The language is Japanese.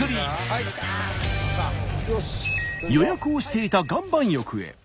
予約をしていた岩盤浴へ。